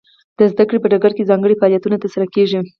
د زده کړې په ډګر کې ځانګړي فعالیتونه ترسره کیږي.